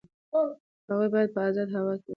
هغوی باید په ازاده هوا کې وګرځي.